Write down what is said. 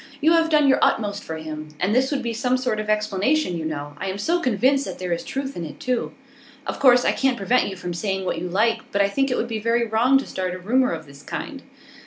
You have done your utmost for him. And this would be some sort of explanation, you know. I am so convinced that there is truth in it, too.' 'Of course I can't prevent you from saying what you like, but I think it would be very wrong to start a rumour of this kind.